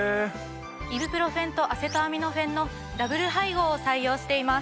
イブプロフェンとアセトアミノフェンのダブル配合を採用しています。